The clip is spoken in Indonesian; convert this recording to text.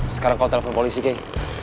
sekarang kau telepon polisi kay